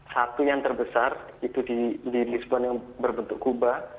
satu yang terbesar itu di lisbon yang berbentuk kuba